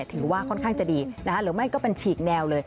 ถือว่าค่อนข้างจะดีหรือไม่ก็เป็นฉีกแนวเลย